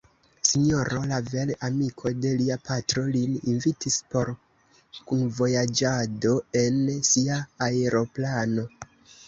S-ro Lavel, amiko de lia patro, lin invitis por kunvojaĝado en sia aeroplano.